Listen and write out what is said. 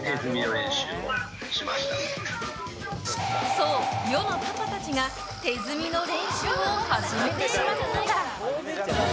そう、世のパパたちが手積みの練習を始めてしまったのだ。